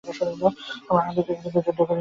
আমরা আহতদের বিরুদ্ধে যুদ্ধ করি না।